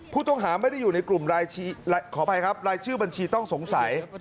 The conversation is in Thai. ผู้ต้องหาไม่ได้อยู่ในกลุ่มขออภัยครับรายชื่อบัญชีต้องสงสัย